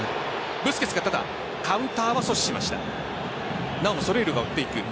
ブスケツがカウンターは阻止しました。